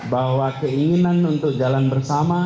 bahwa keinginan untuk jalan bersama